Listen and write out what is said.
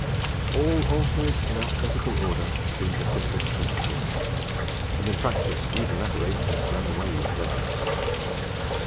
All authors in alphabetical order seemed the simplest principle; and in practice even that arrangement ran away with days.